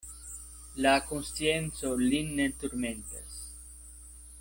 La konscienco lin ne turmentas.